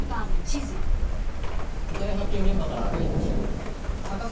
遺体発見現場から歩いて１５分逆さ